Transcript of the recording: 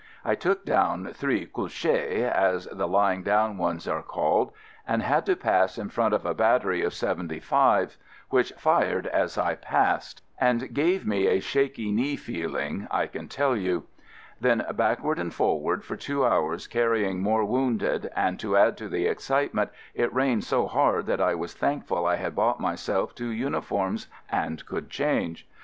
I took down three "couches," as the lying down ones are called, and had to pass in front of a battery of "75's" which fired as I passed and gave me a PUTTING IN UPPER STRETCHER LOADING AN AMBULANCE FIELD SERVICE 17 shaky knee feeling, I can tell you. Then backward and forward for two hours carrying more wounded, and to add to the excitement it rained so hard that I was thankful I had bought myself two uni forms and could change.